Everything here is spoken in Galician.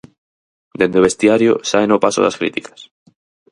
Dende o vestiario saen ao paso das críticas.